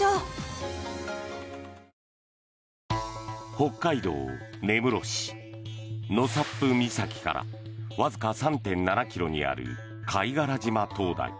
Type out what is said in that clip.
北海道根室市・納沙布岬からわずか３．７ｋｍにある貝殻島灯台。